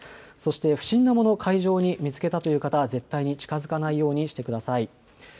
そして不審なもの、海上に見つけたという方、絶対に近づかないようにしてください。